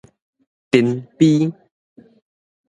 塵蜱